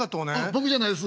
「僕じゃないです。